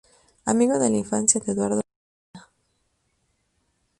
Amigo de la infancia de Eduardo Zaplana.